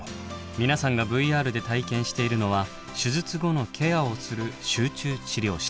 皆さんがＶＲで体験しているのは手術後のケアをする集中治療室。